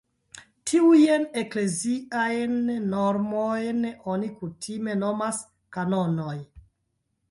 Tiujn ekleziajn normojn oni kutime nomas "kanonoj".